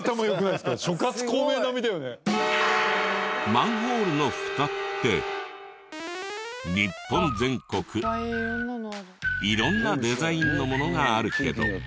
マンホールのフタって日本全国色んなデザインのものがあるけど。